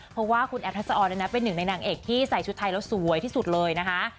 เพราะว่าคุณแอฟทัศออนเป็นหนึ่งในนางเอกที่ใส่ชุดไทยแล้วสวยที่สุดเลยนะคะ